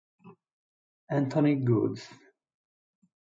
Anthony Goods